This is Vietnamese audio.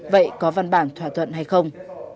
vậy có văn bản thỏa thuận hay không